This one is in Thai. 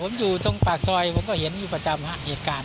ผมอยู่ตรงปากซอยผมก็เห็นอยู่ประจำฮะเหตุการณ์